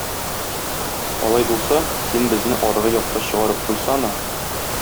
Алай булса, син безне аргы якка чыгарып куйсана.